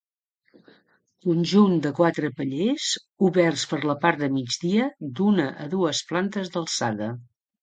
Conjunt de quatre pallers, oberts per la part de migdia, d'una a dues plantes d'alçada.